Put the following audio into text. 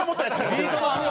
ビート板あるよ